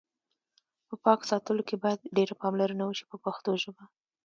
په پاک ساتلو کې باید ډېره پاملرنه وشي په پښتو ژبه.